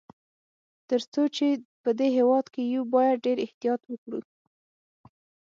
تر څو چي په دې هیواد کي یو، باید ډېر احتیاط وکړو.